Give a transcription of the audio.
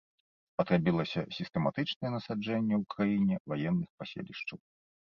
Спатрэбілася сістэматычнае насаджэнне ў краіне ваенных паселішчаў.